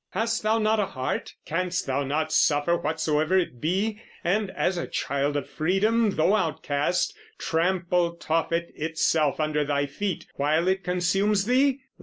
Hast thou not a heart; canst thou not suffer whatsoever it be; and, as a Child of Freedom, though outcast, trample Tophet itself under thy feet, while it consumes thee?